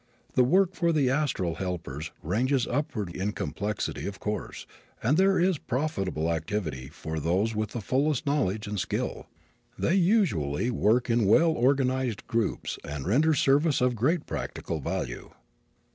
The work for the astral helpers ranges upward in complexity, of course, and there is profitable activity for those with the fullest knowledge and skill. They usually work in well organized groups and render service of great practical value.